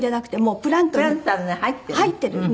プランターに入ってるの？